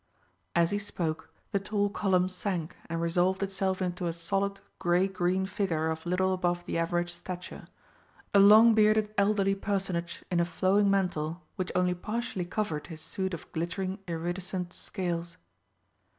As he spoke, the tall column sank and resolved itself into a solid grey green figure of little above the average stature, a long bearded elderly personage in a flowing mantle which only partially covered his suit of glittering iridescent scales.